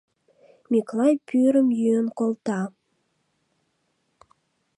Миклай пӱрым йӱын колта.